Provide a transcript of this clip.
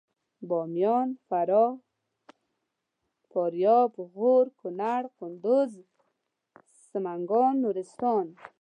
باميان فراه فاریاب غور کنړ کندوز سمنګان نورستان